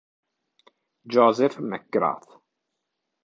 Joseph McGrath